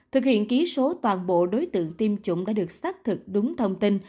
thực hiện ký số toàn bộ đối tượng tiêm chủng đã được xác thực đúng thông tin